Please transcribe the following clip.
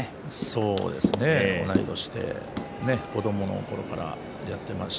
そうですね、同い年で子どものころからやっていました。